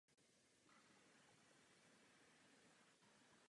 Nedaleko se nachází stejnojmenná sopka.